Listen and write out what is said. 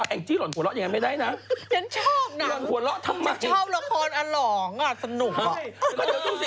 แองจี้หล่อนหัวเราะยังไม่ได้นะยังชอบหนังหัวเราะทำไมยังชอบละครอรองสนุก